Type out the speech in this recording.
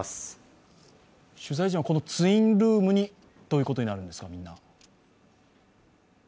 取材陣はこのツインルームにということになるんですかね。